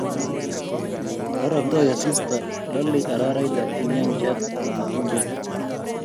Roroktoi asista, lolei araraita eng yangchat ab matundiat